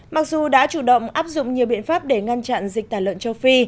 mặc dù đã chủ động áp dụng nhiều biện pháp để ngăn chặn dịch tả lợn châu phi